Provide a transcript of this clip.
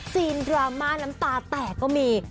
ดราม่าน้ำตาแตกก็มี